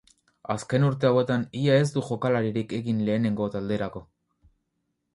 Azken urte hauetan ia ez du jokalaririk egin lehenengo talderako.